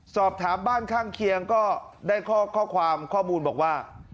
สอบถามบ้านข้างเคียงก็ได้ข้อความข้อมูลบอกว่า